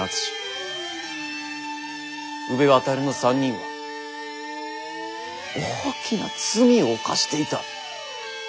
宇部渉の３人は大きな罪を犯していた。